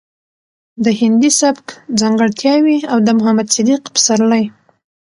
د هندي سبک ځانګړټياوې او د محمد صديق پسرلي